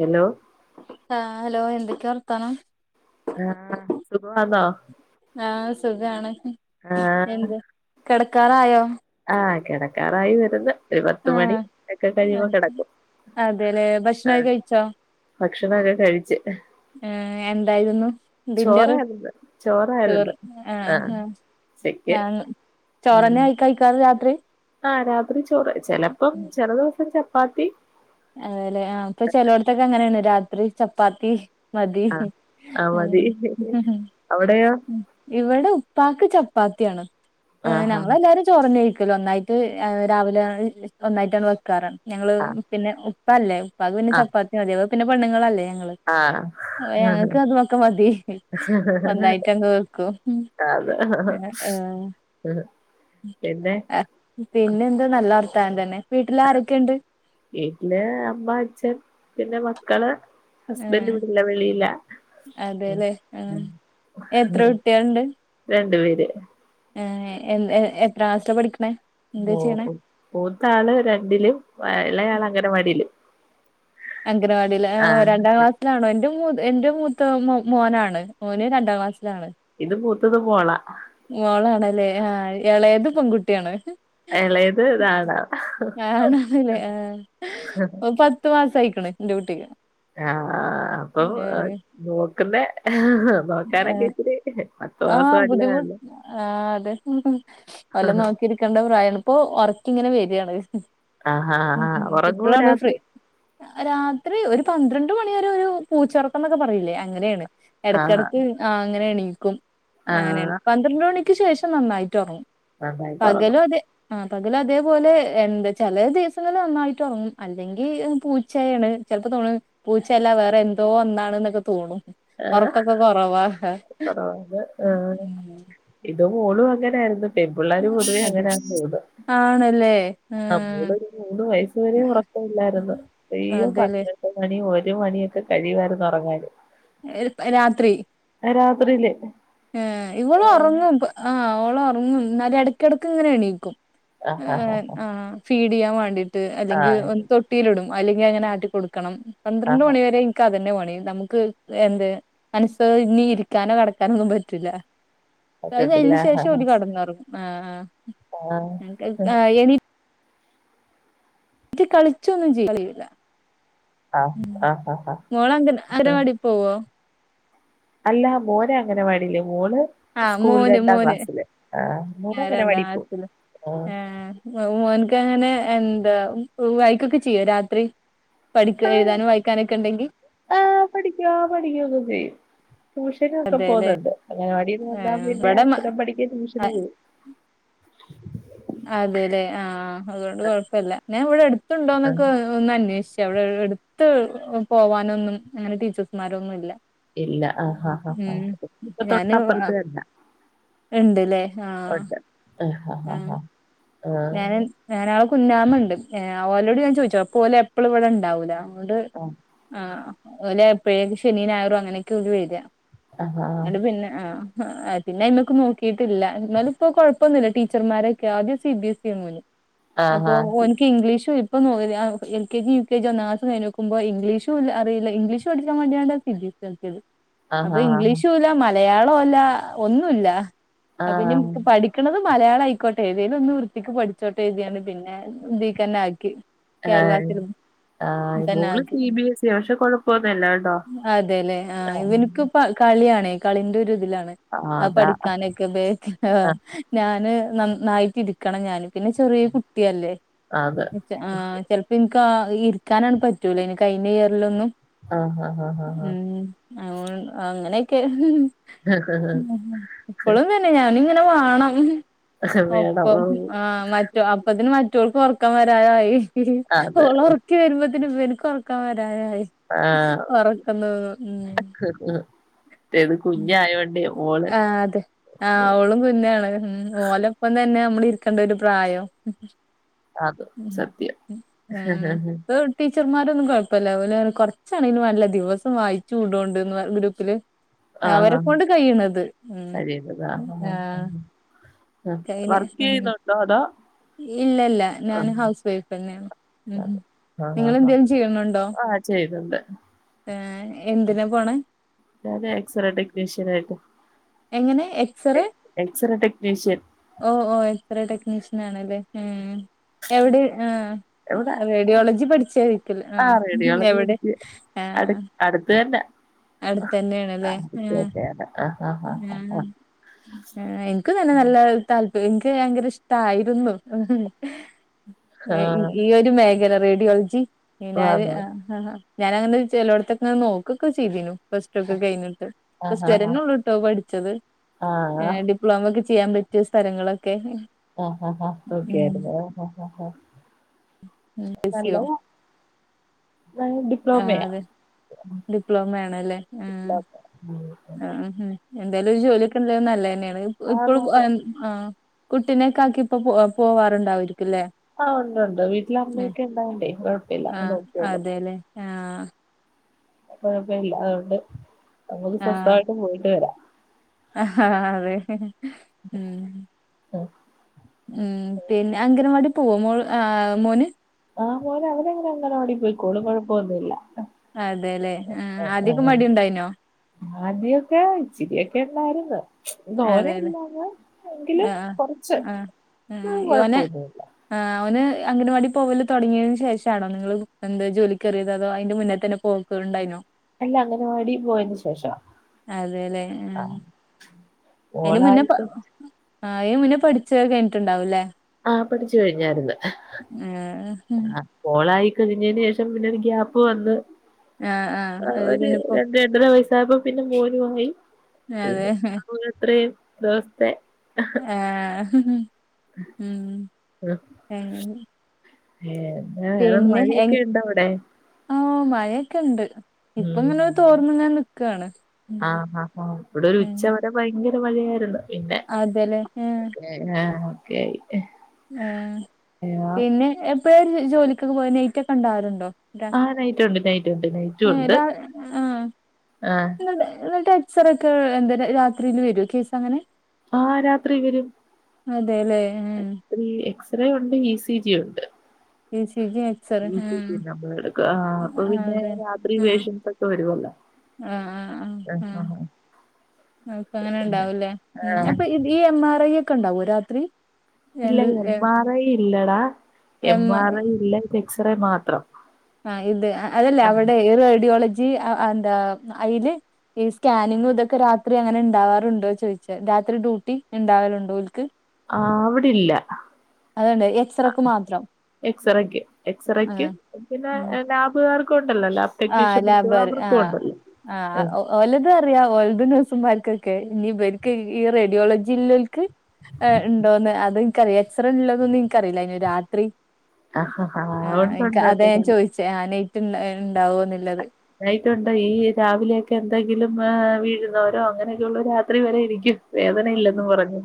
Hello ആഹ് hello എന്തൊക്കെ വർത്താനം ആഹ് സുഖമാന്നോ ആഹ് സുഖാണ് ആഹ് എന്താ കിടക്കാറായോ? ആഹ് കിടക്കാറായി വരുന്ന് ഒരു പത്തു മണി ഒക്കെ കഴിയുമ്പോ കിടക്കും അതെല്ലെ ഭക്ഷണവൊക്കെ കഴിച്ചോ ഭക്ഷണവൊക്കെ കഴിച്ച് ഏഹ് എന്തായിരുന്നു ഡിന്നറ് ചോറായിരുന്നു ചോറായിരുന്നു ആഹ് ചിക്കൻ ആഹ് ചോറന്നെ കഴിക്കാറ് രാത്രി ആഹ് രാത്രി ചോറ് ചെലപ്പം ചില ദിവസം ചപ്പാത്തി അതേല്ലെ ആഹ് അപ്പൊ ചിലടത്തൊക്കെ അങ്ങനെയാണ് രാത്രി ചപ്പാത്തി മതി ആഹ് ആഹ് മതി [unintelligible] അവിടെയോ ഇവിടെ ഉപ്പാക്ക് ചപ്പാത്തിയാണ് ആഹാ ഞങ്ങളെല്ലാരും ചോറന്നഴിക്കല് ഒന്നായിട്ട് രാവിലെ ഒന്നായിട്ടാണ് വെക്കാറ് ഞങ്ങള് പിന്നെ ഉപ്പല്ലേ ഉപ്പാക്ക് പിന്നെ ആഹ് ചപ്പാത്തി മതി പിന്നെ പെണ്ണുങ്ങളല്ലേ ഞങ്ങള് ആഹ് ആഹ് ഞങ്ങൾക്ക് അതുവൊക്കെ മതി ഒന്നായിട്ട് അങ്ങ് വെക്കും അത [unintelligible] പിന്നെ പിന്നെ എന്താ നല്ല വർത്താനം തന്നെ വീട്ടിൽ ആരൊക്കെയുണ്ട് വീട്ടില് അമ്മ അച്ഛൻ പിന്നെ മക്കള് ഹസ്ബൻഡ് ഏഹ് ഇവിടില്ല വെളിയിലാ അതെല്ലേ ആഹ് എത്ര രണ്ടു പേര് ആഹ് എല്ലാ എത്ര ക്ലാസ്സിലാപഠിക്കണേ ഓഹ് മൂത്ത ആള് രണ്ടിലും ഇളയാള് അംഗനവാടിയിലും അംഗൻവാടിയിൽ ഓഹ് രണ്ടാം ആഹ് ക്ലാസ് ണോ എന്റെ എന്റെ മൂത്ത മോനാണ് മോന് രണ്ടാം ക്ലാസ്സിലാണ് ഇത് മൂത്തത് മോളാ മോളാണല്ലേ ആഹ് എളേത് പെൺകുട്ടിയാണ് ഇളയത് ഇതാണ് ആണല്ലേ ആഹ് പത്ത് പത്ത് മാസം ആയിക്കണ് എൻ്റെ കുട്ടിക്ക് ഏഹ് അഹ് ഏഹ് [unintelligible] ആഹ് ബുദ്ധിമുട്ട് ആഹ് അതെ വല്ല നോക്കി ഇരിക്കേണ്ട പ്രായമാണ് ഇപ്പൊ ഉറക്കം ഇങ്ങനെ വരികയാണ് ആഹാ ഉം ആഹാ ഉം ഉറങ്ങുവോ ഇപ്പളാണ് ഫ്രീ രാത്രി രാത്രി ഒരു പന്ത്രണ്ട് മണി വരെ ഒരു പൂച്ചയൊക്കം ന്നൊക്കെ പറയില്ലേ അങ്ങനെയാണ് ആഹ് ഇടക്കിടക്ക് ആഹ് അങ്ങനെ എണീക്കും അങ്ങനെയാണ് ആഹ് പന്ത്രണ്ട് മണിക്ക് ശേഷം നന്നായിട്ട് ഉറങ്ങും നന്നായിട്ട് ഉറങ്ങും പകലും അതെ ആഹ് പകല് അതേപോലെ എന്ത് ചില ദിവസങ്ങളി നന്നായിട്ട് ഉറങ്ങും അല്ലെങ്കിൽ പൂച്ചയാണ് ചിലപ്പോ തോണു പൂച്ചല്ല വേറെ എന്തോ ഒന്നാണ് എന്നൊക്കെ തോണും ഉറക്കൊക്കെ കൊറവാ കൊറവാ ഉം ഇത് മോളും അങ്ങനൊയിരുന്നു പെൺപിള്ളേര് പൊതുവേ അതെ അങ്ങനെ ആണെന്ന് തോന്നു ആഹ് മൂന്ന് മൂന്ന് വയസ്സ് വര ഉറക്കമല്ലായിരുന്നു [unintelligible] അതെല്ലേ [unintelligible] മണി ഒരു മണിയൊക്കെ കഴിയുവാരുന്നുറങ്ങാൻ രാത്രി രാത്രിയില് ഏഹ് ഇവള് ആഹ്. ഉറങ്ങും ആഹ് അവളും ഉറങ്ങും എന്നാല് ഇടക്കിടക്ക് ഇങ്ങനെ എണീക്കും ഏഹ് ആഹാഹാഹാ! ആഹ് ഫീഡ് ചെയ്യാൻ വേണ്ടിട്ട് അല്ലെങ്കിൽ ആഹ്. തൊ തൊട്ടിയിലിടും അല്ലെങ്കിൽ അങ്ങനെ ആട്ടി കൊടുക്കണം പന്ത്രണ്ട് ആഹാ! മണി വരെ ഇത്അതന്നെ പണി നമുക്ക് എന്ത് മനസ്സ് ഇനി ഇരിക്കാനോ കടക്കാനോ ഒന്നും പറ്റില്ല അത് പറ്റത്തില്ല. കഴിഞ്ഞ് ശേഷം ആഹാഹാ! ഓല് കടന്നുറങ്ങും ആഹ് ആഹ്. ആഹ്എനി [unintelligible] കളിച്ചൊന്നും ചെ യൂലാ ആഹ്. ആഹാഹാ! മോളങ്ങനെ അംഗനവാടിക് പോവാ അല്ല മോന് അംഗനവാടി ല്മോള് ആഹ് സ്കൂളിൽ മോന് രണ്ടാം മോന് ക്ലാസ്സില് ആഹ് മോന് ഞാൻ അംഗനവാടിക് പോവും മോനക്ക് അങ്ങനെ എന്താവായിക്കൊക്കെ ചെയ്യോ രാത്രി പഠിക്കോ എഴുതാനും വായിക്കാനൊക്കെ ഉണ്ടെങ്കിൽ ആഹ് പഠിക്കൂ ആഹ് പഠിക്കൂ ഒക്കെ ചെയ്യും ട്യൂഷനൊക്കെ അതെല്ലേ പോകുന്നുണ്ട് അംഗനവാടി ന്ന് വന്ന പിന്നെ ഇവിടെ അക്ഷരം പഠിക്കേ ട്യൂഷനും പോവും അതെല്ലെ ആഹ്അതുകൊണ്ട് കൊഴപ്പല്ല ഞാൻ ഇവിടെ ആഹ്. അടുത്തുണ്ടോന്നൊക്കെ ഒന്ന അന്വേഷിച്ച അവിടെ എടുത്ത് പോവാനൊന്നും അങ്ങനെ ടീച്ചേഴ്സ്മാരൊന്നും ഇല്ല ഇല്ല. ആഹാഹാഹാ! ഉം ഇപ്പൊ ഞാന് തൊട്ടപ്പുറത്ത് തന്ന. ഉണ്ട്ല്ലേ ആഹ് ഉണ്ട് ആഹ് ഹ ആഹ് ആഹ് ഞാനൻ ഞങ്ങളെ കുന്നാമ ഉണ്ട് ഓലോട്ഞാൻ ചോദിച്ചോ അപ്പ ഓല്എപ്പളും ഇവിടെ ഉണ്ടാവൂല അതുകൊണ്ട് ആഹ് ഓല് എപ്പോഴേൊക്കെ ശനി ഞായറു അങ്ങനയൊക്കെ വര്യാ ആഹ് ആഹ് എന്നട്ട് പിന്നെ ആഹ് [unintelligible] പിന്നെ അയ്മക്ക് നോക്കിയിട്ടില്ല എന്നാലും ഇപ്പൊ കൊഴപ്പൊന്നില്ല ടീച്ചർമാരൊക്കെ ആദ്യം സി ബി എസ് സി അയ്നു ആഹ് ആഹ് അപ്പൊ ഓൻ ഇപ്പം ഇംഗ്ളീഷും ഇപ്പോ മുതൽ L K G U K G ഒന്നാം ക്ലാസ്സ്‌ കഴിഞ്ഞു നോക്കുമ്പോ ഇംഗ്ലീഷുല്ല അറിയില്ല ഇംഗ്ലഷ് പഠിക്കാ വേണ്ടിയാണ്ട് [unintelligible] ആഹ് അപ്പം ഇംഗ്ലീഷുല്ല മലയാളോല്ല ഒന്നുല്ല ആഹ് അപ്പന്നി പഠിക്ക പഠിക്കണത് മലയാളം ആയിക്കോട്ടെ ഏതേലും ഒന്ന് വൃത്തിക്ക് പഠിച്ചോട്ടെ [unintelligible] പിന്നെ ഇതീക്കെന്നെ ആക്കി കേരളാ ആഹ് സിലബസ് ആഹ് തന്നെ മോള് ആക്കി സി ബി എസ് ഇ പക്ഷെ കൊഴപ്പൊന്നുല്ല കേട്ടോ അതെല്ലേ ആഹ് ഇവന് ക്കിപ്പം കളിയാണ് കളിന്റെ ഒരു ഇതിലാണ് ആഹ് അത് അതാ പഠിക്കാന് [unintelligible] ഞാന് നന്നായിട്ടിരിക്കണം ഞാന് പിന്നെ ചെറിയ കുട്ടിയല്ലേ അതെ ആഹ് ചെലപ്പം ഇൻക്ക് ഇരിക്കാനാണ് പറ്റൂലയ്നു കഴിഞ്ഞ ഇയറിലൊന്നും ആഹ് ആഹ് ആഹ് ഉം അങ്ങനെയൊക്കെ ഇപ്പളും തന്നെ ഞാനിങ്ങനെ വാണം ആഹ് വേണം ഇപ്പം ആഹ് മറ്റ അപ്പത്തിന് മറ്റോൾക്ക് ഒറക്കം വരാറായി അതെ ഓളെ ഒർ ക്കം വരുമ്പോത്തന് ഇബൻക്ക് ഒറക്കം വരാനായി ആഹ് ഒറക്കം തൂങ്ങും ഉം [unintelligible] മറ്റേത് കുഞ് ആയോണ്ടേ ഓള് ആഹ് ഓളും കുഞാണ് ഉം ഓലൊപ്പം തന്നെ നമ്മള് ഇരിക്കണ്ട ഒരു പ്രായം അത് സത്യം ആഹ് [unintelligible] ടീച്ചർമാരൊന്നും കൊഴപ്പല്ല ഓല് പറയും കൊറച്ചാണെങ്കിലും വേണ്ടില്ല ദിവസം വായിച്ചു വിടോണ്ട് ഗ്രൂപ്പില് ആഹ് അവരെക്കൊണ്ട് കഴിയണത് ഉം ആഹ് കയ്യില് വർക്ക് ചെയ്യുന്നുണ്ടോ അതോ ഇല്ലല്ല ഞാന് ഹൗസ് വൈഫ് തന്നെയാ ഉം ആഹ് ആഹ് നിങ്ങളെന്തേലും ചെയ്യണുണ്ടോ ആഹ് ചെയ്യുന്നുണ്ട് ഏഹ് എന്തിനാ പോണെ ഞാൻ എക്സറ ടെക്നീഷ്യൻ ആയിട്ട് എങ്ങനെ എക്സ്റേ എക്സറേ ടെക്നീഷ്യൻ ഓഹ് ഓഹ് എക്സ്റെ ടെക്നീഷ്യൻ ആണല്ലേ ഉം എവിടെ ആഹ്. എവിടെ റേഡിയോളജി പഠിച്ചായിരിക്കൽ ആ ആഹ് എവിടെ ഏഹ്. അടുത്ത തന്നെ അടുത്ത് ആഹ് തന്നെയാണ് ആഹ് ആഹ് ആഹ്. ഏഹ് എനിക്കും തന്നെ നല്ല താല്പര്യ എനിക്ക് ഭയങ്കര ഇഷ്ടായിരുന്നു. ആ ഈ ഒരു മേഖല റേഡിയോളജി [unintelligible] ആഹ്. ആണോ ആഹ് ഞാനങ്ങനെ ചെലോടത്തൊക്കെ നോക്കൊക്കെ ചെയ്തിനു. പ്ലസ് ടു ഒക്കെ കഴിഞ്ഞിട്ട് ആ പ്ലസ് ടു ആ ആ വരെന്നെ ഉള്ളൂട്ടോ പഠിച്ചത്. ആ ഏഹ് ഡിപ്ലോമ ഒക്കെ ചെയ്യാൻ പറ്റിയ സ്ഥലങ്ങളൊക്കെ. ആഹ് ആഹ് ആഹ് ഓക്കെ ഉം ആയിരുന്നു ആഹ് ആഹ്. യോ നല്ലതാ. [unintelligible] ആഹ് അതെ ഡിപ്ലോമ ആണല്ലേ ഉം. ഡിപ്ലോമ ഉം. ആഹ് എന്തേലും ഒരു ജോലിയൊക്കെ ഉള്ളത് നല്ല തന്നെയാണ് ആണ് ഇപ്പളും ആണ് ആഹ്. ആഹ് കുട്ടിനെക്കെ ആക്കി ഇപ്പോ പോ പോവാറുണ്ടാവരിക്കല്ലേ? ആഹ് ഉണ്ട് ഉണ്ട് വീട്ടില് അമ്മയൊക്കെ ഉണ്ടായണ്ടേ കൊഴപ്പില്ല അമ്മ ആഹ് നോക്കി ക്കോളും. അതെല്ലേ ആഹ്. കൊഴപ്പില്ല അതുകൊണ്ട് നമുക്ക് ആഹ് സ്വസ്ഥമായിട്ട് പോയിട്ട് വരാം. അതെ ഉം. ഉം. ഉം പിന്നെ അംഗനവാടി പോവോ മോൾ ആഹ് മോന്. ആഹ് മോൻ അവന് അങ്ങനെ അംഗൻവാടി പോയിക്കോളും കൊഴപ്പ ഒന്നും ഇല്ല. അതേ അല്ലേ ആഹ് ആദ്യമൊക്കെ മടി ഉണ്ടായിനോ? ആദ്യയൊക്കെ ഇച്ചിരി ഒക്കെ ഉണ്ടായിരുന്നു. അതെല്ലേ തോനയില്ലാതേ എങ്കിലും ആഹ് കൊറച്ച് ആഹ് ഉം കൊഴപ്പ ഓന് ഒന്നു ഇല്ല. ആഹ് അവന് അംഗൻവാടി പോകല് തുടങ്ങിയതിന് ശേഷം ആണോ നിങ്ങള് എന്താ ജോലിക്ക് കയറിയത് അതോ അതിന്റെ മുന്നേ തന്നെ പോ പോകു ഉണ്ടായിനോ? അല്ല അംഗനവാടി പോയതിന് ശേഷാ ആഹ്. അതിന് മുന്നേ പ അതിന് മുന്നേ പഠിച്ച് കഴഞ്ഞിട്ടുണ്ടാവൂല്ലേ. ആഹ് പഠിച്ചു കഴിഞ്ഞായിരുന്നു ആഹ് ആഹ്. മോളായി കഴിഞ്ഞതിന് ശേഷം പിന്നെ ഒരു ഗ്യാപ്പ് വന്ന് ആഹ് ആഹ് അത് ഒരു പിന്നെപ്പോ രണ്ട് രണ്ട് അര വയസ്സ് ആയപ്പം പിന്നെ മോനു ആയി അതെ പിന്നെ അത്രയും ദിവസത്തെ. ആഹ് ഉം ഉം. ഏഹ്. പിന്നെ ഏഹ് ആഹ് മഴയൊക്കെ ഇണ്ട്. ഇപ്പൊ ഉം പിന്നെ തോർന്ന് അങ്ങനെ നിൽക്കയാണ് ഉം. ഇന്ന് ഭയങ്കര മഴയായിരുന്നു പിന്നെ. അതല്ലേ ആഹ്. ഉം ആഹ് ഓക്കെയായി. ഉം പിന്നെ എപ്പഴ ഒരു ജോലിക്കൊക്കെ പോവാ നൈറ്റ് ഒ‌ക്കെ ഉണ്ടാവലുണ്ടോ? ആഹ് നൈറ്റ് ഉണ്ട് നൈറ്റ് ഉണ്ട് നൈറ്റ്. ഉം രാവിലെ ആഹ് ആഹ് എന്നിട്ട് എന്നിട്ട് എക്സ്റൊക്കെ എന്താ രാത്രില് വരോ കേസ് അങ്ങനെ. ആഹ് രാത്രി വരും. അതെയല്ലേ ഉം. ഉം എക്സ്റേ ഉണ്ട്, ഇ സി ജി ഉണ്ട്. E C G. X ray E C ഉം ജി നമ്മട ആഹ് അപ്പൊ പിന്നെ അതെ രാത്രി ആഹ് പേഷ്യൻ സൊക്കെ വരുവല്ലോ. ആഹ് ആഹ് ആഹ് ആഹ് അപ്പ അങ്ങനെ പിന്നെ ഉണ്ടാവൂല്ലേ ഉം ആഹ് അപ്പൊ ഇ ഈ എം ആർ ഐ ഒക്കെ ഉണ്ടാവോ രാത്രി? ഇല്ല എന്ത് ഇല്ല എം ആർ ഐ ഇല്ലടാ എം ആർ ഐ ഇല്ല എക്സ് റേ മാത്രം. ആഹ് ഇത് അതല്ല അവിടെ റേഡിയോളജി ആഹ് എന്താ അയില്. ഈ സ്കാനിങ്‌ ഇതൊക്കെ രാത്രി അങ്ങനെ ഇണ്ടാവാറുണ്ടോ ചോദിച്ചാ. രാത്രി ഡ്യൂട്ടി ഇണ്ടാവലുണ്ടോ ഓൽക്ക് ആഹ് ആവിടില്ല അതുണ്ട് എക്സറക്ക് മാത്രം അഹ്എക്സറക്ക് ആ എക്സറക്കും പിന്നെ ഉം ലാബുകാർക്കും ഉണ്ടല്ലോ ലാബ് ടെക്നീഷ്യൻ [unintelligible] അവർക്കും ഉണ്ടല്ലോ ആഹ് ഓലതു അറിയാ ഓലത് നഴ്സുമാർക്കൊക്കെ. ഇനി ഇബെർക്ക് ഈ റേഡിയോളജിലോൽക്ക് ഇണ്ടോന്ന്. അത് ഇൻക്കറിയ [unintelligible] എക്സറെ ഇല്ലതൊന്നു ഇൻക്കറില്ല അയ്ന് രാത്രി അഹ് അഹ് ആഹ് ഉണ്ട് ഉണ്ട് ച്ചെ നൈറ്റ്‌ ഇൻ ഇണ്ടാവോന്ന്ല്ലത് നൈറ്റ്‌ ഉണ്ടോ ഈ രാവിലെ ഒക്കെ എന്തെങ്കിലും വീഴുന്നോരോ അങ്ങനൊക്കെ ഉള്ള രാത്രി വരെ ഇരിക്കും വേദനയില്ലെന്ന് പറഞ്ഞു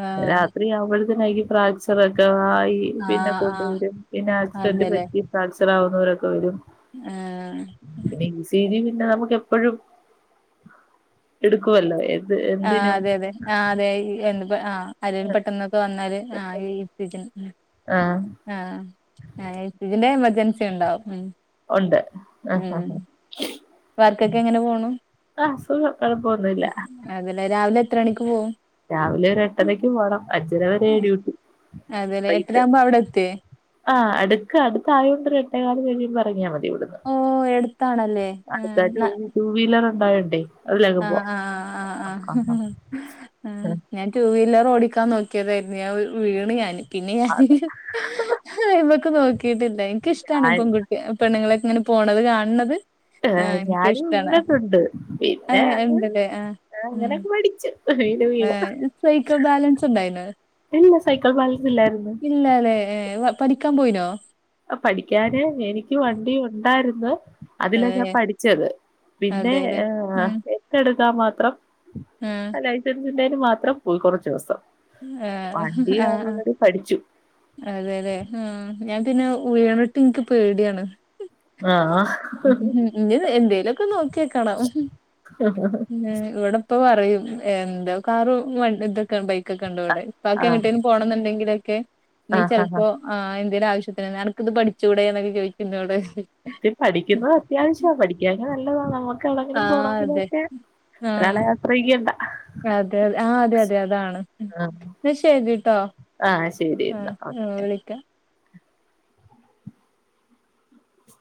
ആ രാത്രി ആകുമ്പഴത്ത [unintelligible] കഴികും ഫ്രാക്ചർക്കെ ആയി ആ പിന്നെ ആ കൊണ്ടുവരും. പിന്നെ ആക്സിഡന്റ് അതെല്ലേ പറ്റി ഫ്രാക്ചർ ആവുന്നവരൊക്കെ വെരും ഏഹ് പിന്നെ ഈ സി ജി പിന്നെ നമുക്ക് എപ്പഴും ഇടുക്കുവല്ലോ ആഹ് അതെ അതെ ആഹ് അതെ ഈ [unintelligible] പെട്ടെന്നൊക്കെ വന്നാ വന്നാല് ആഹ് [unintelligible] ആഹ് ആഹ് ഞാൻ ചോയ്ച് ഇതിന്റെ എമർജൻസി ഉണ്ടാവും ഉം ഒണ്ട് ആഹ് ഉം ആഹ് വർക്കൊക്കെ എങ്ങനെ പോണു. കുഴപ്പൊന്നുമില്ല രാവിലെ എത്ര മണിക്ക് പോവും രാവിലെ ഒരു എട്ടരക്ക്പോണം. അഞ്ചര വരേ ഡ്യൂട്ടി അതേലെ പൈട്ട് എട്ടരാവുമ്പോ അവിടെ എത്തിയേ ആഹ് അടുക്ക് അടുത്തായതോണ്ടോരു എട്ടേകാൽ കഴിഞ്ഞ് എറങ്ങിയാമതി ഇവിടുന്ന് ഓ എടുത്താണല്ലേ അടുത്ത ആഹ് ന ടു ടു വീലർ ഉണ്ടായോണ്ടെ ആഹ് ആഹ് ആഹ് ആഹ് ആഹ് ആ ഞാൻ ടു വീലർ ഓടിക്കാൻ നോക്കിയതായിരുന്നു ഞാൻ വീണ് ഞാൻ പിന്നെ ഞാൻ അത് അയിമ്മക് നോക്കിട്ടില്ല എനിക്കിഷ്ടാണ് ഞാൻ പെൺങ്കു പെണ്ണുങ്ങളെക്കെ ഇങ്ങനെ പോണത് കണ് ണത് ആ ഇൻക്ക് ഞാനും ഇഷ്ടാണ് വീണിട്ടുണ്ട് പിന്നെ ഏഹ് ഇണ്ടലേ അഹ് ഉം അങ്ങനെ [unintelligible] ഏഹ് സൈക്കൾ ബാലൻസ് ഉണ്ടായിന്നോ ഇല്ല സൈക്കിൾ ബാലൻസ് ഇല്ലായിരുന്നു ഇല്ലലേ ഏഹ് പഠിക്കാ പോയിനോ ആ പഠിക്കാന് എനിക്ക് വണ്ടി ഉണ്ടായിരുന്നു അതിലാ ഞാൻ ഏഹ് പഠിച്ചത്. പിന്നെ അതെല്ലേ ഏഹ് എട്ടെടുക്കാൻ മാത്രം ഉം ലൈസൻസ് ഉണ്ടേൽ മാത്രം പോയി കൊറച്ച് ദിവസം വണ്ടിയങ്ങനെ പഠിച്ചു അതേലെ ഉം ഞാൻ പിന്നെ ഉയണട്ട് ഇൻക്ക് പേട്യാണ് ആഹ് ആഹ് ഇനി എന്തേലൊക്കെ നോക്ക്യക്കണം ഇവടെ ഇപ്പ പറയും. എന്താ കാറും വ ഇതൊക്കെ ബൈക്കൊക്കെ ഇണ്ടൊ ഇവടെ ഇപ്പാക്ക് ആഹ് എങ്ങട്ടേലും പോണം എന്നുണ്ടെങ്കിലൊക്കെ ഇനി ആഹ് ചെല്പ്പോ ആഹ് എന്തേലു ആവശ്യത്തിന്നൊക്കെ അനക് ഇത് പഠിച്ചുടെ എന്നൊക്കെ ചോദിച്ചി എന്നോട് സത്യം പഠിക്കുന്നത് അത്യാവശ്യവാ പഠിക്കാനക്കെ നല്ലതാണ് നമ്മുക്ക് എവിടെങ്കിലും ആഹ് അതെ പോണമെങ്കിലുംക്കെ ആഹ് ഒരാളെ ആശ്രയിക്കേണ്ട അതെ അതെ അതെ അതാണ് ആ ന്നാ ശരിട്ടോ ആഹ് ശരി എന്നാ ആഹ് ഓക്കെ ആഹ് വിളിക്കാ